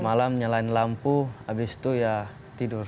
malam nyalain lampu habis itu ya tidur